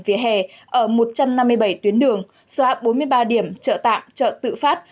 phía hè ở một trăm năm mươi bảy tuyến đường xóa bốn mươi ba điểm trợ tạm trợ tự phát